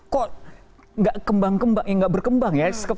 kok nggak berkembang ya